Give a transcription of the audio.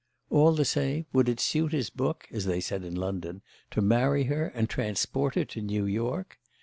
All the same would it suit his book, as they said in London, to marry her and transport her to New York?